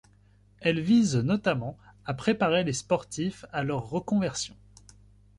Elle vise notamment à préparer les sportifs à leur reconversion.